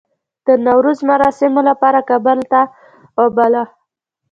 د نوروز مراسمو لپاره کابل ته وباله.